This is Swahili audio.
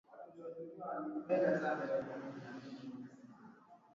ongeza vikombe viwili vya unga